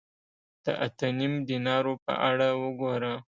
د اته نیم دینارو په اړه وګوره